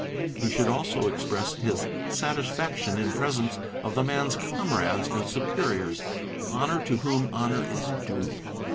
He should also express his satisfaction in presence of the man's comrades and superiors; honour to whom honour is due.